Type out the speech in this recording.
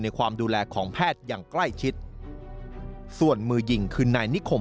ความดูแลของแพทย์อย่างใกล้ชิดส่วนมือยิงคือนายนิคม